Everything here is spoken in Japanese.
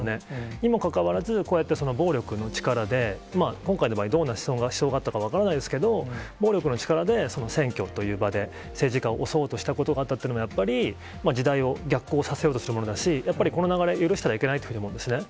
にもかかわらず、こうやってその暴力の力で、今回の場合、どんな思想があったか分からないですけれども、暴力の力でその選挙という場で、政治家を襲おうとしたことがあったっていうのは、やっぱり時代を逆行させようとするものだし、やっぱりこの流れ、許したらいけないというふうに思うんですね。